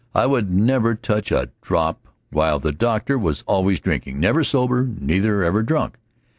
I would never touch a drop, while the doctor was always drinking never sober, neither ever drunk.